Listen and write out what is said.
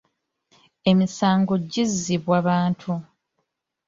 Emisango gizzibwa bantu.